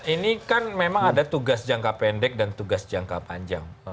ini kan memang ada tugas jangka pendek dan tugas jangka panjang